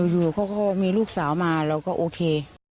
อยู่เขาก็มีลูกสาวมาเราก็โอเค